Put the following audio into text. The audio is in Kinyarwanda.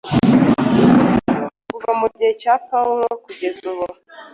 Kuva mu gihe cya Pawulo kugeza ubu,